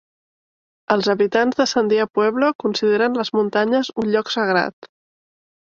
Els habitants de Sandia Pueblo consideren les muntanyes un lloc sagrat.